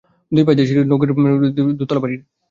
দুই পাশ দিয়ে সিঁড়ি তৈরি করে আঙ্গিক দেওয়া হয়েছিল দোতলা বাড়ির।